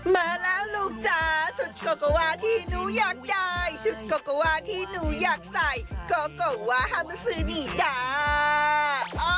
มาแล้วลูกจ๋าชุดก็ก็วาที่หนูอยากได้ชุดก็ก็วาที่หนูอยากใส่ก็ก็วาฮาเมอร์ซีนี่จ๋า